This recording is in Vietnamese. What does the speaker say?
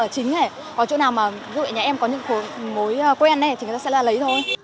có chỗ nào mà người nhà em có những mối quen này thì người ta sẽ là lấy thôi